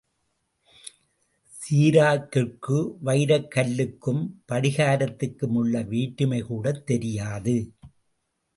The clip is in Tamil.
ஸீராக்கிற்கு வைரக் கல்லுக்கும் படிகாரத்துக்கும் உள்ள வேற்றுமை கூடத் தெரியாது.